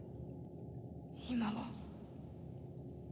今は。